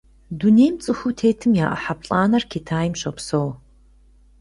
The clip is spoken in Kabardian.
Дунейм цӀыхуу тетым я Ӏыхьэ плӀанэр Китайм щопсэу.